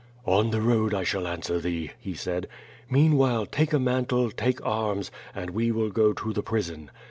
"On the road I shall answer thee," he said. "Meanwhile, take a mantle, take arms, and we will go to the prison.